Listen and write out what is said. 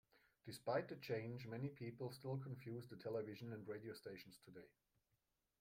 Despite the change, many people still confuse the television and radio stations today.